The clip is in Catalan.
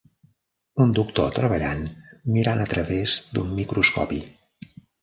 un doctor treballant mirant a través d'un microscopi